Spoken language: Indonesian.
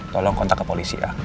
tolong kontak ke polisi ya